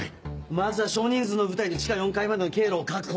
まずは少人数の部隊で地下４階までの経路を確保。